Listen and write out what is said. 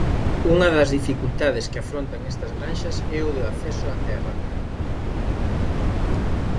Unha das dificultades que afrontan estas granxas é o de acceso á terra.